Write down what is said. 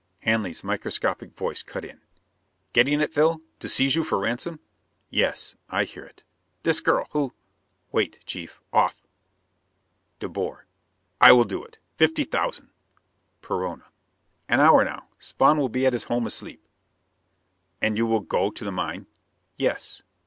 Hanley's microscopic voice cut in: "Getting it, Phil? To seize you for ransom!" "Yes. I hear it." "This girl. Who ?" "Wait, Chief. Off " De Boer: "I will do it! Fifty thousand." Perona: "An hour now. Spawn will be at his home asleep." "And you will go to the mine?" "Yes.